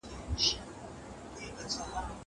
زه کولای سم کتاب وليکم..